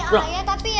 eh ayah tapi ya